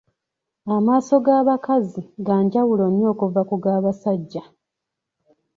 Amaaso ga bakazi ga njawulo nnyo okuva ku ga basajja.